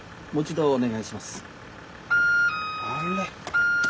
あれ？